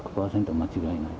間違いない。